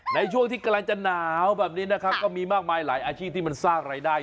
ในช่วงที่กำลังจะหนาวแบบนี้นะครับก็มีมากมายหลายอาชีพที่มันสร้างรายได้